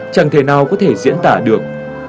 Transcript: chẳng thể nào có thể diễn tả được